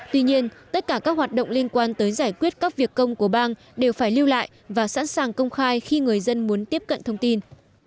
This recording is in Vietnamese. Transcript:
tuy nhiên tất cả các hoạt động liên quan tới giải quyết các việc công của bang đều phải lưu lại và sẵn sàng công khai khi người dân muốn tiếp cận thông tin